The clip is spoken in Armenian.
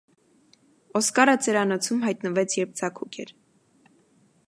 Օսկարը ծերանոցում հայտնվեց, երբ ձագուկ էր։